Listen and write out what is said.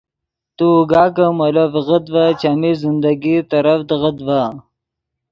تو اوگا کہ مولو ڤیغت ڤے چیمی زندگی ترڤدیغت ڤے